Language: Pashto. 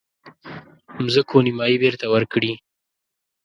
مځکو نیمايي بیرته ورکړي.